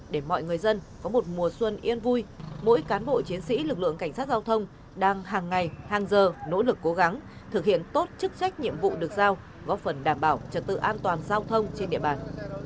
để mọi người dân có một mùa xuân yên vui mỗi cán bộ chiến sĩ lực lượng cảnh sát giao thông đang hàng ngày hàng giờ nỗ lực cố gắng thực hiện tốt chức trách nhiệm vụ được giao góp phần đảm bảo trật tự an toàn giao thông trên địa bàn